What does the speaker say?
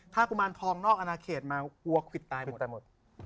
ถ้ากุมารทองนอกอนาเขตมากลัวควิดตายไปหมด